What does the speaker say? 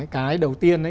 cái đầu tiên